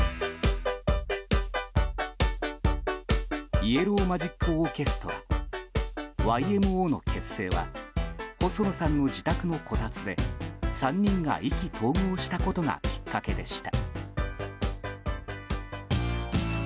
イエロー・マジック・オーケストラ・ＹＭＯの結成は細野さんの自宅のこたつで３人が意気投合したことがきっかけでした。